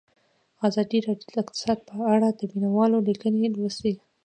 ازادي راډیو د اقتصاد په اړه د مینه والو لیکونه لوستي.